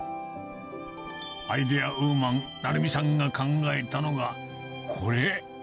アイデアウーマン、成美さんが考えたのが、これ。